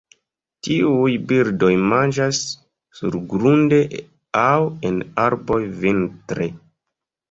Tiuj birdoj manĝas surgrunde aŭ en arboj vintre.